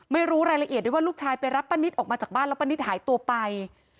ไม่รู้รายละเอียดด้วยว่าลูกชายไปรับป้านิตออกมาจากบ้านแล้วป้านิตหายตัวไป